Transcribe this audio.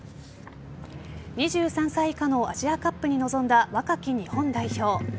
２３歳以下のアジアカップに臨んだ若き日本代表。